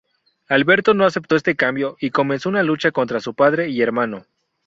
Alberto no aceptó este cambio y comenzó una lucha contra su padre y hermano.